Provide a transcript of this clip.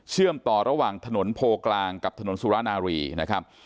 เชื่อมต่อระหว่างถนนโพกลางกับถนนสุราโน่าลีนะครับ